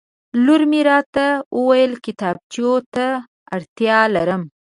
لور مې راته وویل کتابچو ته اړتیا لرم